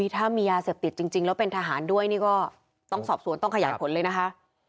ถ้ามียาเสพติดจริงแล้วเป็นทหารด้วยนี่ก็ต้องสอบสวนต้องขยายผลเลยนะคะ